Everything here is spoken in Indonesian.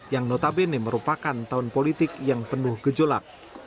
yang notabene merupakan tahun politik yang penuh gejolak